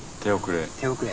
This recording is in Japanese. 手遅れ。